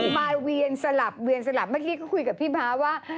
มาเวียนสลับเมื่อกี้เขาคุยกับพี่ม้าว่า